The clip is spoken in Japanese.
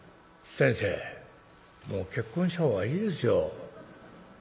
「先生もう結婚した方がいいですよ。